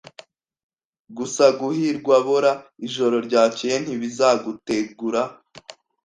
Gusa guhirwabora ijoro ryakeye ntibizagutegura.